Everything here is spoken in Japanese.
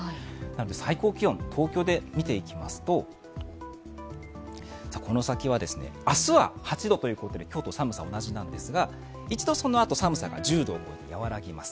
最高気温、東京で見ていきますとこの先は、明日は８度ということで今日と寒さは同じなんですが、一度寒さが１０度に和らぎます。